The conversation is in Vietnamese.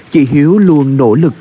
chị hiếu luôn nỗ lực